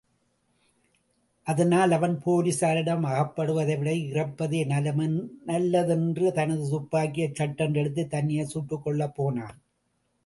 அதனால் அவன் போலீஸாரிடம் அகப்படுவதைவிட இறப்பதே நல்ல தென்று தனது துப்பாக்கியைச் சட்டென்று எடுத்து, தன்னையே சுட்டுக்கொள்ளப் போனான்.